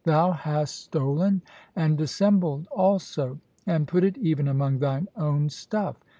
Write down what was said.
Thou hast stolen, and dissembled also; and put it even among thine own stuff.